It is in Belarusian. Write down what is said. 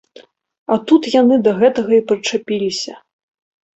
А тут яны да гэтага і прычапіліся.